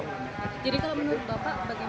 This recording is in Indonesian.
jadi kalau menurut bapak bagi